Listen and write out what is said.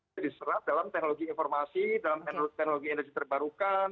jadi serat dalam teknologi informasi dalam teknologi energi terbarukan